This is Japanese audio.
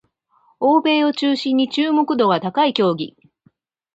欧米を中心に注目度が高い競技